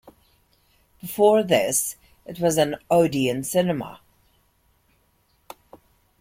Before this, it was an Odeon cinema.